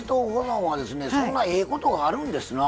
そんなええことがあるんですな。